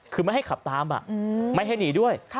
คือไม่ให้ขับตามไม่ให้หนีด้วย